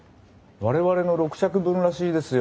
我々の６着分らしいですよ